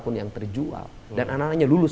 pun yang terjual dan anak anaknya lulus